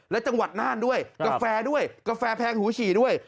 และจังหวัดน่านด้วยกาแฟด้วยกาแฟแพงหูฉี่ด้วย